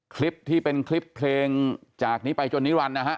คลิปที่เป็นคลิปเพลงจากนี้ไปจนนิรันดินะฮะ